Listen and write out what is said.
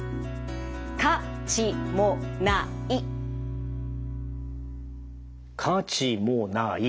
か・ち・も・な・い